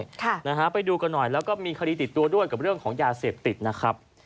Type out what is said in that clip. ค่ะนะฮะไปดูกันหน่อยแล้วก็มีคดีติดตัวด้วยกับเรื่องของยาเสพติดนะครับ